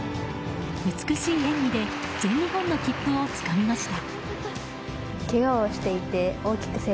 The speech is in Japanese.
美しい演技で全日本の切符をつかみました。